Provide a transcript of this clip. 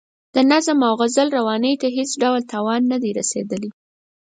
د نظم او غزل روانۍ ته هېڅ ډول تاوان نه دی رسیدلی.